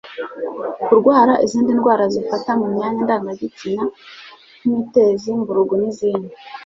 Kurwara izindi ndwara zifata mu myanya ndangagitsina nk'imitezi, mburugu n'izindi